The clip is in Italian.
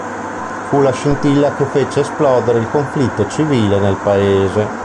Fu la scintilla che fece esplodere il conflitto civile nel paese.